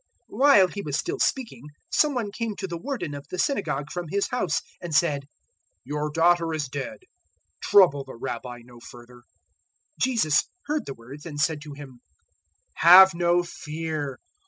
008:049 While He was still speaking, some one came to the Warden of the Synagogue from his house and said, "Your daughter is dead; trouble the Rabbi no further." 008:050 Jesus heard the words and said to him, "Have no fear.